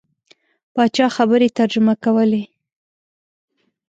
پاچا خبرې ترجمه کولې.